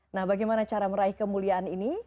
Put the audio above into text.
nah bagaimana cara meraih kemuliaan ini